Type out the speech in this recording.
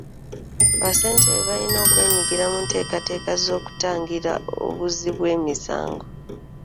Bassentebe balina okwenyigira mu nteekateeka z'okutangira obuzzi bw'emisango.